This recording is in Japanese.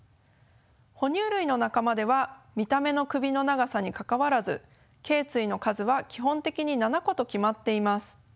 哺乳類の仲間では見た目の首の長さに関わらずけい椎の数は基本的に７個と決まっています。